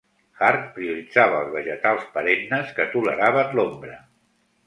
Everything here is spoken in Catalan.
Hart prioritzava els vegetals perennes que toleraven l'ombra.